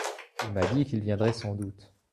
Il m'a dit qu'il viendrait sans doute.